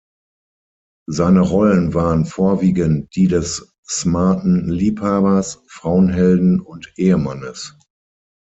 Seine Rollen waren vorwiegend die des smarten Liebhabers, Frauenhelden und Ehemannes.